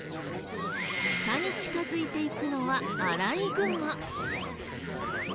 シカに近づいていくのはアライグマ。